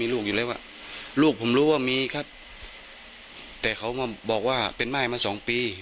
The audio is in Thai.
ลูกผมรู้ว่ามีครับแต่เขามาบอกว่าเป็นม่ายมาสองปี